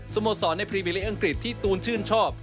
โมสรในพรีวิลิกอังกฤษที่ตูนชื่นชอบ